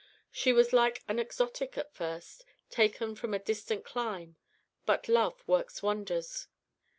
She was like an exotic at first, taken from a distant clime; but love works wonders.